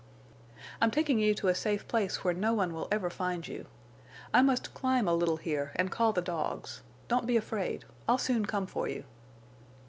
"I'm taking you to a safe place where no one will ever find you. I must climb a little here and call the dogs. Don't be afraid. I'll soon come for you."